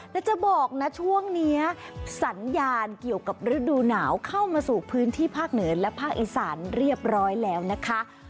แล้วจะบอกนะช่วงนี้สัญญาณเกี่ยวกับฤดูหนาวเข้ามาสู่พื้นที่ภาคเหนือและภาคอีสานเรียบร้อยแล้วนะคะ